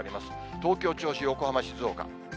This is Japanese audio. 東京、銚子、横浜、静岡。